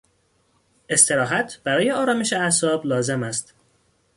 استراحت برای آرامش اعصاب لازم است.